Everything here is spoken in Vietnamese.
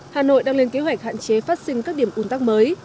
hà nội đang lên kế hoạch hạn chế phát sinh các điểm un tắc mới